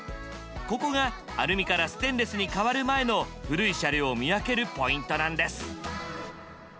ここがアルミからステンレスに変わる前の古い車両を見分けるポイントなんです。